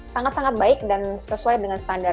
sangat sangat baik dan sesuai dengan standar